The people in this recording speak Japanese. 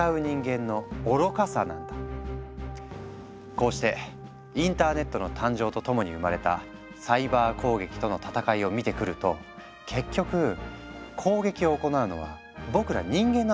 こうしてインターネットの誕生とともに生まれたサイバー攻撃との戦いを見てくると結局攻撃を行うのは僕ら人間なんだよね。